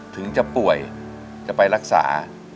ถึงจะป่วยจะไปรักษา